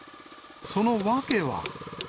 その訳は。